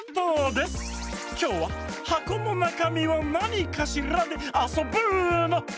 きょうは「はこのなかみはなにかしら？」であそぶの！